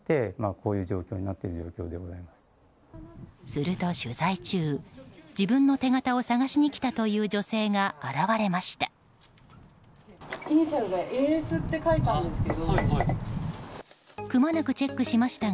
すると、取材中自分の手形を探しに来たという女性が現れました。